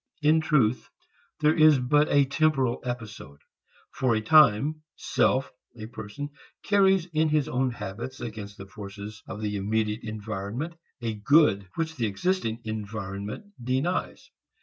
In truth, there is but a temporal episode. For a time, a self, a person, carries in his own habits against the forces of the immediate environment, a good which the existing environment denies.